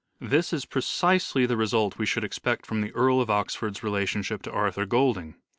This is precisely the result we should expect from the Earl of Oxford's relationship to Arthur Golding.